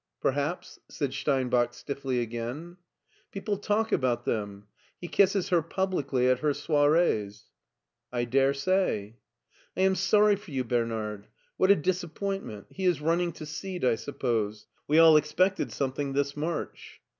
" Perhaps," said Steinbach stiffly again. " People talk about them. He kisses her publicly at her soirees." " I daresay." " I am sorry for you, Bernard. What a disappoint ment. He is running to seed, I suppose. We all ex pected something this March."